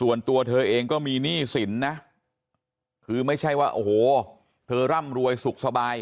ส่วนตัวเธอเองก็มีหนี้สินนะคือไม่ใช่ว่าโอ้โหเธอร่ำรวยสุขสบาย